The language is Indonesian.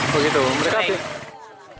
begitu mereka sih